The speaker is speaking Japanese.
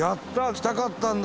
来たかったんだ！